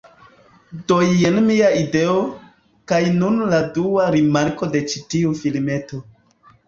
Do jen mia ideo, kaj nun la dua rimarko de ĉi tiu filmeto